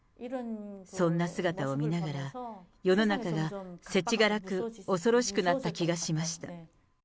そんな姿を見ながら、世の中がせちがらく、恐ろしくなった気がしました。